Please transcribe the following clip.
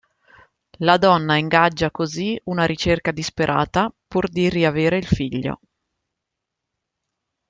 La donna ingaggia così una ricerca disperata pur di riavere il figlio.